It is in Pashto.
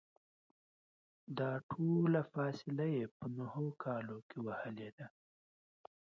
دا ټوله فاصله یې په نهو کالو کې وهلې ده.